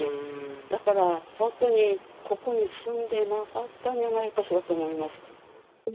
だから本当にここに住んでなかったんじゃないかしらと思いますけど。